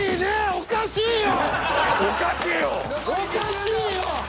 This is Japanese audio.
おかしいよ！